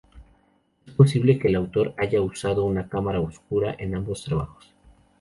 Es posible que el autor haya usado una cámara oscura en ambos trabajos.